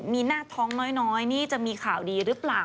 มีหน้าท้องน้อยนี่จะมีข่าวดีหรือเปล่า